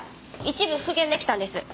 一部復元出来たんです。